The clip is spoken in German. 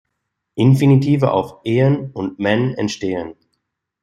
Infinitive auf "-ehen" und "-men" entstehen.